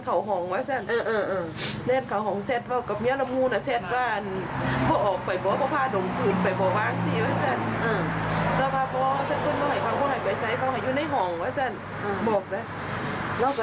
แม่บอกว่าเค้าก็เลี้ยงในห้องบอกว่าไม่ใช่กระอดศรีเอียดก่อน